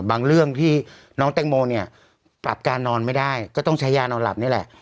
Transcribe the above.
เรื่องที่น้องแตงโมเนี่ยปรับการนอนไม่ได้ก็ต้องใช้ยานอนหลับนี่แหละ